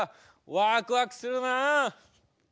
ワクワクするな！